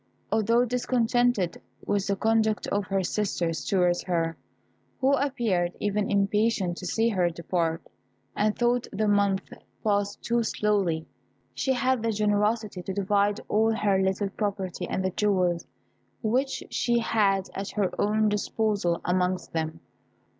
Although discontented with the conduct of her sisters towards her, who appeared even impatient to see her depart, and thought the month passed too slowly, she had the generosity to divide all her little property and the jewels which she had at her own disposal amongst them.